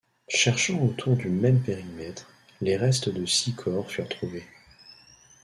Cherchant autour du même périmètre, les restes de six corps furent trouvés.